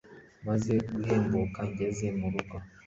maze guhembuka ngeze murugo